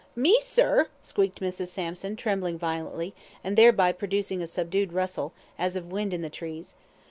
"Me, sir!" squeaked Mrs. Sampson, trembling violently, and thereby producing a subdued rustle, as of wind in the trees.